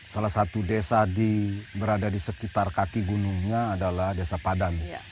salah satu desa berada di sekitar kaki gunungnya adalah desa padam